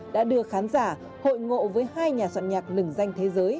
đã đưa khán giả hội ngộ với hai nhà soạn nhạc lừng danh thế giới